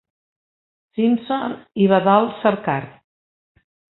Simpson i Badal Sarkar.